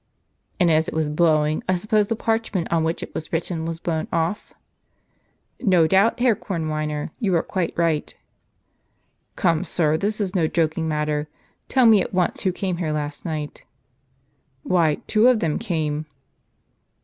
"And as it was blowing, I suppose the parchment on which it was written was blown off ?" "No doubt, Herr Kornweiner; you are quite right." " Come, sir, this is no joking matter. Tell me, at once, who came here last night." "Why, two of them came."